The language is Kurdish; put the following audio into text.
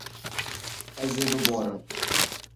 Ez ê biborim.